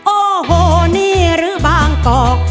โอ้โหนี่รึบางก็ก